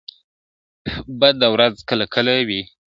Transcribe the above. ¬ بده ورځ کله کله وي.